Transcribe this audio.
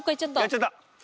やっちゃった。